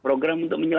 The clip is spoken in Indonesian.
program untuk melindungi